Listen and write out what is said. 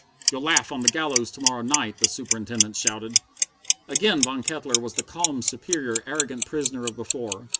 "You'll laugh on the gallows to morrow night!" the Superintendent shouted. Again Von Kettler was the calm, superior, arrogant prisoner of before.